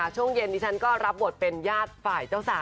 ช่วงเย็นดิฉันก็รับบทเป็นญาติฝ่ายเจ้าสาว